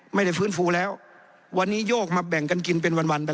ไม่ได้ฟื้นฟูแล้ววันนี้โยกมาแบ่งกันกินเป็นวันวัน